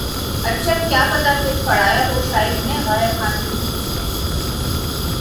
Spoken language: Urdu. اچھا کیا پتا پھر پڑھایا ہو شاید میں غیر حاضر ہوں اس میں